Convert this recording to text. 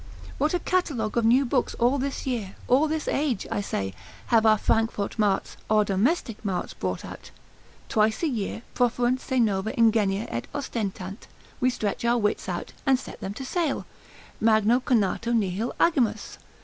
What a catalogue of new books all this year, all this age (I say), have our Frankfort Marts, our domestic Marts brought out? Twice a year, Proferunt se nova ingenia et ostentant, we stretch our wits out, and set them to sale, magno conatu nihil agimus.